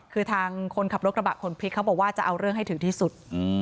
คือทางคนขับรถกระบะคนพลิกเขาบอกว่าจะเอาเรื่องให้ถึงที่สุด